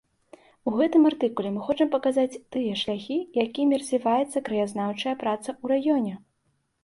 У гэтым артыкуле мы хочам паказаць тыя шляхі, якімі развіваецца краязнаўчая праца ў раёне.